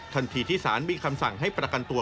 ทันทีที่สารมีคำสั่งให้ประกันตัว